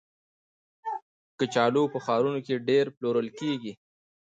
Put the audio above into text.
کچالو په ښارونو کې ډېر پلورل کېږي